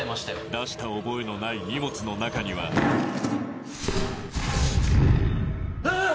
出した覚えのない荷物の中にはあ！